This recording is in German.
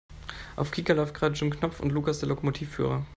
Auf Kika läuft gerade Jim Knopf und Lukas der Lokomotivführer.